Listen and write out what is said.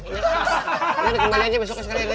ini kembali aja besoknya sekalian ya deh